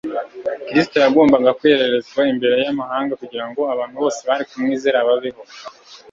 kristo yagombaga kwererezwa imbere y'amahanga kugira ngo abantu bose bari kumwizera babeho